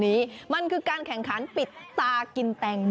มีหลากหลายการแข่งขันคุณผู้ชมอย่างที่บอกอันนี้ปาเป้าเห็นมั้ยก็ม